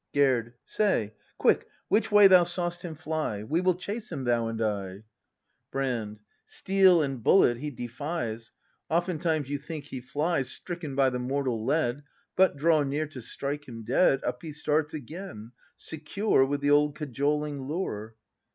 Gerd. Say, Quick, which w?y thou saw'st him fly; We will chase him, thou and I. ACT V] BRAND 299 Brand. Steel and bullet he defies; Oftentimes you think he flies Stricken by the mortal lead, — But draw near to strike him dead Up he starts again, secure With the old cajoling lure.